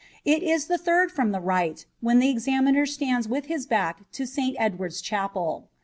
It is the third from the right hand, when the examiner stands with his back to St Edward^s chapel.